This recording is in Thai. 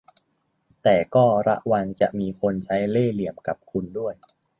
แต่ก็ระวังจะมีคนใช้เล่ห์เหลี่ยมกับคุณด้วย